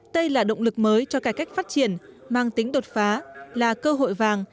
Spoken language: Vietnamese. đây là động lực mới cho cải cách phát triển mang tính đột phá là cơ hội vàng